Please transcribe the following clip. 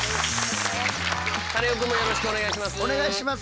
カネオくんもよろしくお願いします。